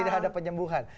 tidak ada penyembuhan